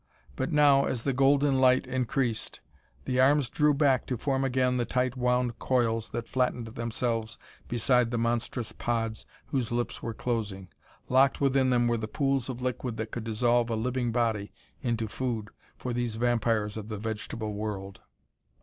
But now, as the golden light increased, the arms drew back to form again the tight wound coils that flattened themselves beside the monstrous pods whose lips were closing. Locked within them were the pools of liquid that could dissolve a living body into food for these vampires of the vegetable world.